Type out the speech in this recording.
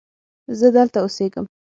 زه دلته اوسیږم.